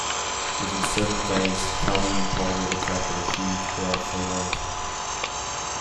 Within several days Calli and Polly have attracted a huge crowd of females.